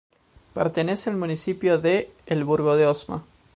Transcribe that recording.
Pertenece al municipio de El Burgo de Osma.